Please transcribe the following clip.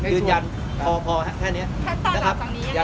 ยืนยันพอแค่เนี่ย